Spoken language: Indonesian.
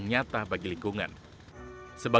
daya itu pakai gigi nya